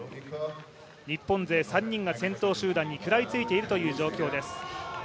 日本勢３人が先頭集団に食らいついているという状況です。